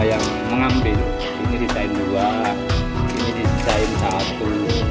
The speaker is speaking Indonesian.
yang mengambil ini desain dua desain satu